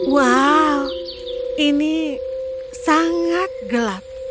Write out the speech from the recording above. wow ini sangat gelap